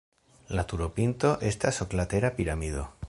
La turopinto estas oklatera piramido.